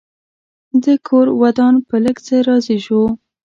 ده کور ودان په لږ څه راضي شو.